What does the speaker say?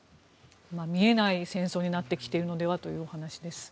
見えない戦争になってきているのではというお話です。